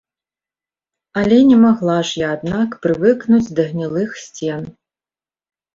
Але не магла ж я, аднак, прывыкнуць да гнілых сцен.